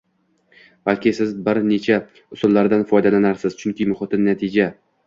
Balki siz bir necha usullardan foydalanarsiz, chunki muhimi – natija.